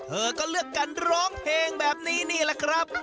เธอก็เลือกกันร้องเพลงแบบนี้นี่แหละครับ